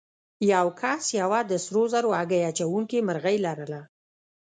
یو کس یوه د سرو زرو هګۍ اچوونکې مرغۍ لرله.